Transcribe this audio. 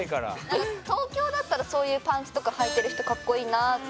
なんか東京だったらそういうパンツとかはいてる人格好いいなって。